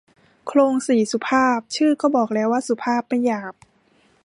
โคลงสี่สุภาพ ชื่อก็บอกแล้วว่าสุภาพ ไม่หยาบ